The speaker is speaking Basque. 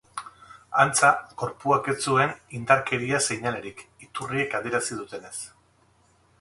Antza, gorpuak ez zuen indarkeria seinalerik, iturriek adierazi dutenez.